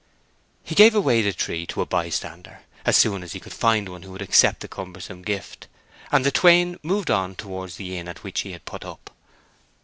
He gave away the tree to a by stander, as soon as he could find one who would accept the cumbersome gift, and the twain moved on towards the inn at which he had put up.